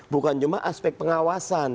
bukan cuma aspek pengawasan